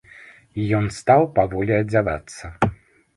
І ён стаў паволі адзявацца.